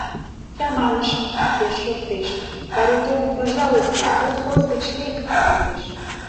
Чаманышым... пеш шортеш: «Каритон, пожалуйста, колхоз гыч лек», — манеш...